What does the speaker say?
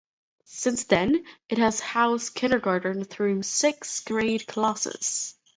Since then, it has housed kindergarten through sixth grade classes.